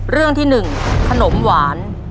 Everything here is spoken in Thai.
เรื่องที่๑ขนมหวาน